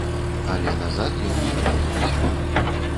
Але назад ён не падаваўся.